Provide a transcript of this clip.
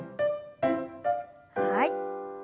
はい。